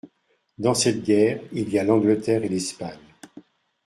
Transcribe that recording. Dans cette guerre il y a l’Angleterre et l’Espagne.